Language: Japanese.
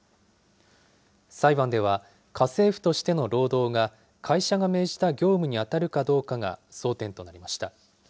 裁判では、家政婦としての労働が、会社が命じた業務に当たるかどうかが争点となりました。